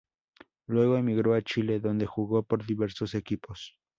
Luego emigró a Chile donde jugó por diversos equipos.